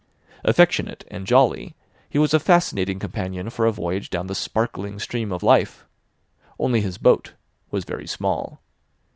Affectionate and jolly, he was a fascinating companion for a voyage down the sparkling stream of life; only his boat was very small.